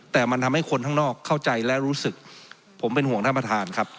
แต่มันทำให้คนข้างนอกเข้าใจและรู้สึกผมเป็นห่วงท่านประธานครับ